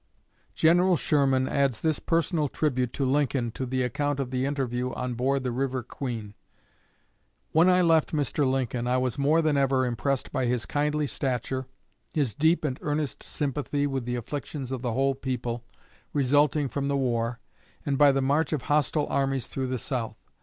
General Sherman adds this personal tribute to Lincoln to the account of the interview on board the "River Queen": "When I left Mr. Lincoln I was more than ever impressed by his kindly nature, his deep and earnest sympathy with the afflictions of the whole people, resulting from the war, and by the march of hostile armies through the South.